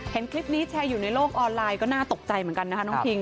เห็นคลิปนี้แชร์อยู่ในโลกออนไลน์ก็น่าตกใจเหมือนกันนะคะน้องคิง